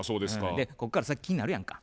でこっから先気になるやんか。